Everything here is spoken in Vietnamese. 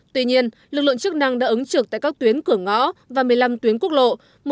tuy nhiên lực lượng chức năng đã ứng trực tại các tuyến cửa ngõ và một mươi năm tuyến quốc lộ